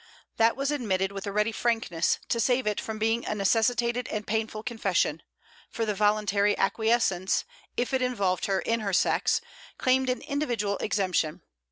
That was admitted with a ready frankness, to save it from being a necessitated and painful confession: for the voluntary acquiescence, if it involved her in her sex, claimed an individual exemption.